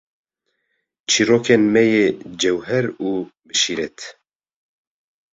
Çîrokên me yê cewher û bi şîret.